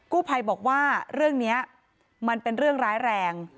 ภัยบอกว่าเรื่องนี้มันเป็นเรื่องร้ายแรง